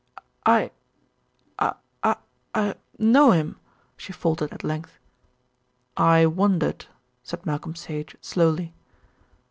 "I I er know him," she faltered at length. "I wondered," said Malcolm Sage slowly.